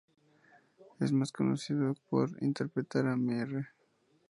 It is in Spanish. Es más conocido por interpretar a Mr.